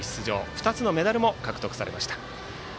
２つのメダルも獲得されました。